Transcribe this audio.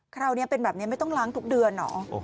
คราวนี้เป็นแบบนี้ไม่ต้องล้างทุกเดือนเหรอ